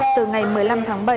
từ ngày một mươi năm tháng bảy